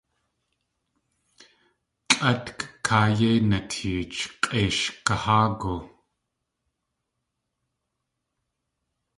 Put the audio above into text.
Tlʼátgi káa yéi nateech k̲ʼeishkaháagu.